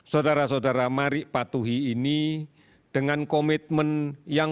saudara saudara mari patuhi ini dengan komitmen yang